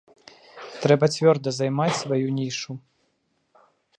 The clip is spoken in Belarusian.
Трэба цвёрда займаць сваю нішу.